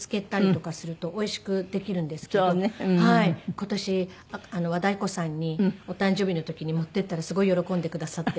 今年和田アキ子さんにお誕生日の時に持っていったらすごい喜んでくださって。